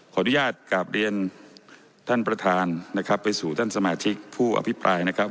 ขออนุญาตกราบเรียนท่านประธานนะครับไปสู่ท่านสมาชิกผู้อภิปรายนะครับ